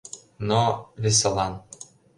Но… Весылан.